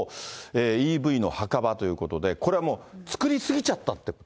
ＥＶの墓場ということで、これはもう、作り過ぎちゃったってこと？